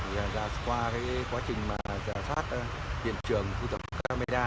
và qua quá trình giả sát tiền trường của tổng hợp carmeda